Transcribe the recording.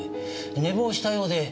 寝坊したようで。